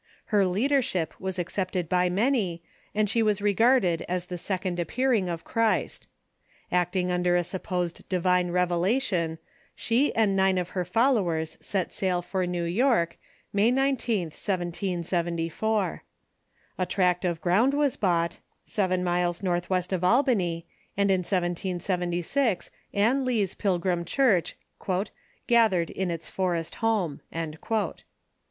Iler lead ership was accepted by man}', and she was regarded as the second appearing of Christ. Acting under a supposed divine revelation, she and nine of her followers set sail for New York, May 19th, 1774. A tract of ground was bought, seven miles northwest of Albany, and in 1776 Ann Lee's pilgrim Church "gathered in this forest home."